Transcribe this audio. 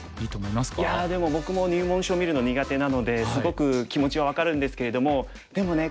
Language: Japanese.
いやでも僕も入門書見るの苦手なのですごく気持ちは分かるんですけれどもでもね